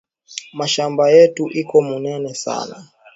Mashamba yetu iko munene sana